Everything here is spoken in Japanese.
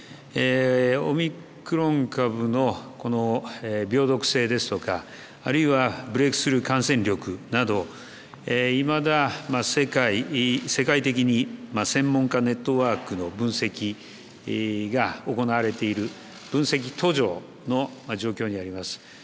オミクロン株の病毒性ですとかあるいはブレイクスルー感染力などいまだ世界的に専門家ネットワークの分析が行われている分析途上の状況にあります。